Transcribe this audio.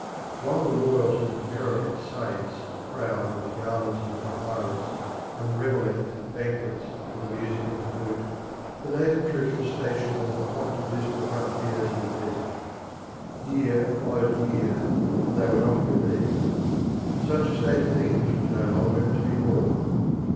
While the royals lived merrily at Sais crowned with garlands of the papyrus, and revelling at banquets to the music of the flute, the native troops were stationed on the hot and dismal frontiers of the desert; year followed year, and they were not relieved. Such a state of things was no longer to be borne.